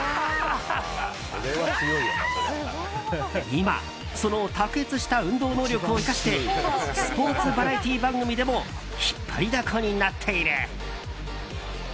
今、その卓越した運動能力を生かしてスポーツバラエティー番組でも引っ張りだこになっている。